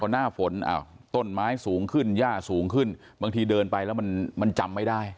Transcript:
หน้าฝนต้นไม้สูงขึ้นย่าสูงขึ้นบางทีเดินไปแล้วมันจำไม่ได้